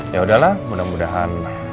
ya udahlah mudah mudahan